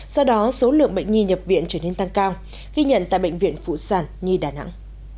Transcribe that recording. do đó số lượng bệnh nhi nhập viện trở nên tăng cao ghi nhận tại bệnh viện phụ sản nhi đà nẵng